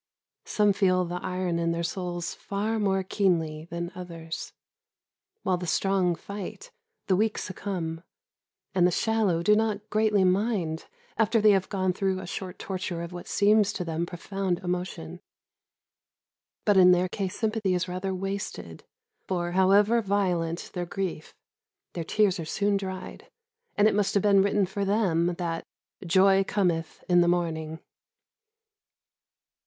Some feel the iron in their souls far more keenly than others. While the strong fight, the weak succumb, and the shallow do not greatly mind, after they have gone through a short torture of what seems to them profound emotion. But in their case sympathy is rather wasted, for, however violent their grief, their tears are soon dried, and it must have been written for them that "joy cometh with the morning."